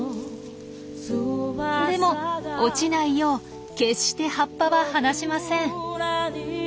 でも落ちないよう決して葉っぱは離しません。